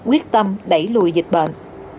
quyết tâm đẩy lùi dịch bệnh